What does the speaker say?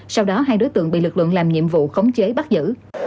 sau đó hai đối tượng bị lực lượng làm nhiệm vụ khống chế bắt giữ